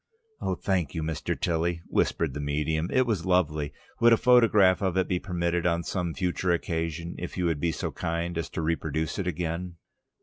"Oh, thank you, Mr. Tilly!" whispered the medium. "It was lovely! Would a photograph of it be permitted on some future occasion, if you would be so kind as to reproduce it again?"